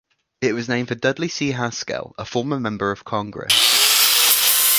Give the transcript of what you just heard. It was named for Dudley C. Haskell, a former member of Congress.